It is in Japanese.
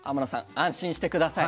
安心して下さい。